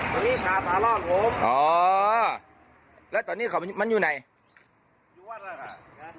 ตอนนี้ชาตารอดผมอ๋อแล้วตอนนี้เขามันอยู่ไหนอยู่รอดอ่ะ